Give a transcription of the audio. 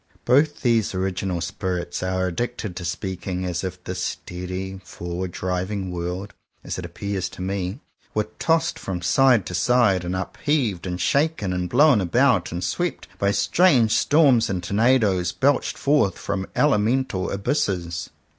Both these original spirits are addicted to speaking as if this steady, forward driving world, as it appears to me, were tossed from side to side, and upheaved, and shaken, and blown about, and swept by strange storms and tornadoes belched forth from elemental abysses.